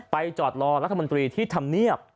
จอดรอรัฐมนตรีที่ทำเนียบ